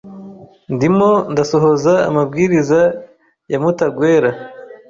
Ndimo ndasohoza amabwiriza ya Mutagwera.